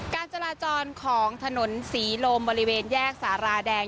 การจราจรของถนนศรีลมบริเวณแยกสาราแดง